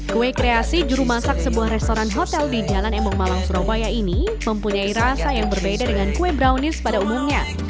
kue kreasi juru masak sebuah restoran hotel di jalan emong malang surabaya ini mempunyai rasa yang berbeda dengan kue brownies pada umumnya